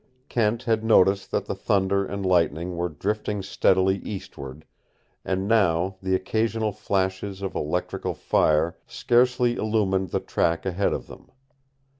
Kent had noticed that the thunder and lightning were drifting steadily eastward, and now the occasional flashes of electrical fire scarcely illumined the trail ahead of them.